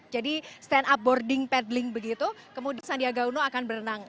jadi stand up boarding paddling begitu kemudian sandiaga uno akan berenang